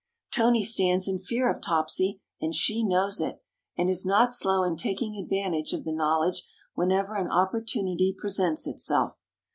Tony stands in fear of Topsy, and she knows it, and is not slow in taking advantage of the knowledge whenever an opportunity presents itself.